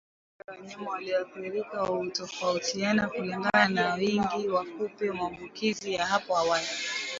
Idadi ya wanyama wanaoathirika hutofautiana kulingana na wingi wa kupe maambukizi ya hapo awali